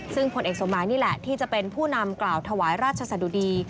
ซึ่งผลเอกสมหมายนี่แหละที่จะเป็นผู้นำกล่าวถวายราชสะดุดี